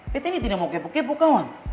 betta ini tidak mau kepo kepo kawan